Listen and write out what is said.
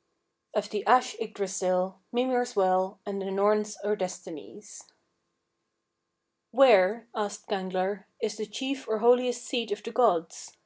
'" OF THE ASH YGGDRASILL, MIMIR'S WELL., AND THE NORNS OR DESTINIES. 16. "Where," asked Gangler, "is the chief or holiest seat of the gods?"